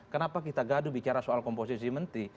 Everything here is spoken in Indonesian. kenapa kita gaduh bicara soal komposisi menteri